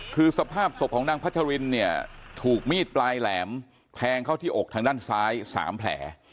คือสภาพศพของนางพัชรินเนี่ยถูกมีดปลายแหลมแทงเข้าที่อกทางด้านซ้าย๓แผล